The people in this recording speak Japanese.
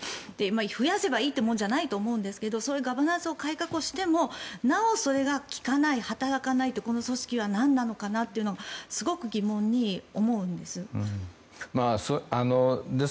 増やせばいいってもんじゃないと思うんですがガバナンスを改革してもなおそれが利かない、働かないというこの組織はなんなのかなってすごく疑問に思うんです。